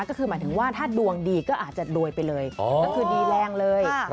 ก็คือหมายถึงว่าถ้าดวงดีก็อาจจะรวยไปเลยก็คือดีแรงเลย